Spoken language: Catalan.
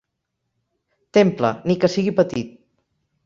Temple, ni que sigui petit.